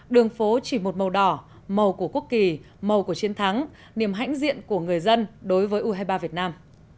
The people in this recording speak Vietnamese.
đường phố chỉ một màu đỏ màu của quốc kỳ màu của chiến thắng niềm hãnh diện của người dân đối với u hai mươi ba việt nam